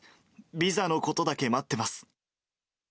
ビザのことだけ待ってます。